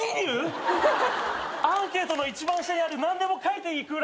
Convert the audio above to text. アンケートの一番下にある何でも書いていい空欄。